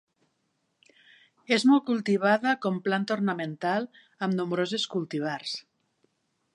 És molt cultivada com planta ornamental amb nombroses cultivars.